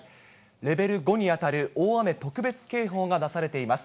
レベル５に当たる大雨特別警報が出されています。